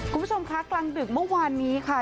คุณผู้ชมคะกลางดึกเมื่อวานนี้ค่ะ